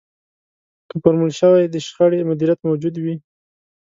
که فورمول شوی د شخړې مديريت موجود وي.